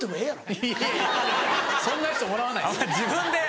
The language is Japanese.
いやいやそんな人もらわないですよ。